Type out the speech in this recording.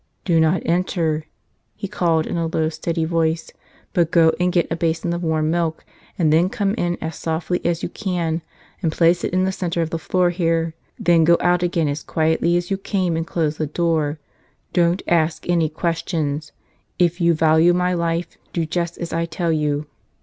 "Do not enter!" he called in a low, steady voice; "but go and get a basin of warm milk and then come in as softly as you can and place it in the center of the floor here. Then go out again as quietly as you came and close the door. Don't ask any questions ! If you value my life do just as I tell you